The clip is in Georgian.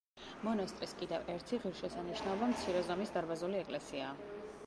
მონასტრის კიდევ ერთი ღირსშესანიშნაობა მცირე ზომის დარბაზული ეკლესია.